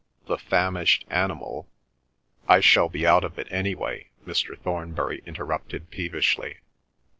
The famished animal—" "I shall be out of it anyway," Mr. Thornbury interrupted peevishly.